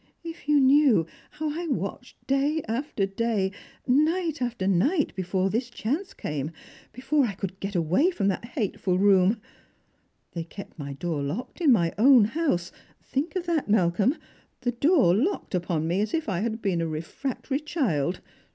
If you knew how I watched day after day, night after night, before this chance came, before I could get away from that hateful room ! They kept iny door locked in my own house — think of that, Malcolm — the door locked upon me as if I had been a re fractory child